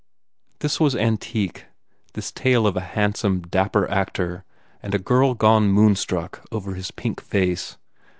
This was antique, this tale of a handsome, dapper actor and a girl gone moonstruck over his pink face.